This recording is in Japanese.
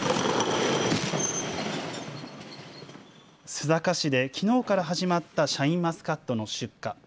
須坂市できのうから始まったシャインマスカットの出荷。